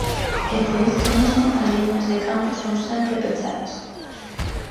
E por isto mesmo as liñas de campo son sempre pechadas.